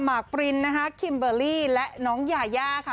มาร์คปรินคิมเบอร์ลี่และน้องยาค่ะ